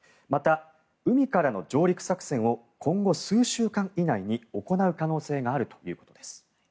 また、海からの上陸作戦を今後数週間以内に行う可能性があるということです。